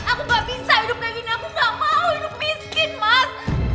aku gak bisa hidup kain aku gak mau hidup miskin mas